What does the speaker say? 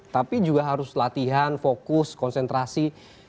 tapi juga harus latihan fokus konsentrasi